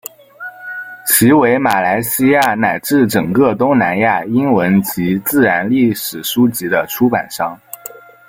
其为马来西亚乃至整个东南亚英文及自然历史书籍的出版商。